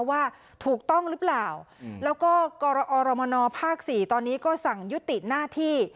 ว่าถูกต้องหรือเปล่าแล้วก็กรอรมนภาค๔ตอนนี้ก็สั่งยุติหน้าที่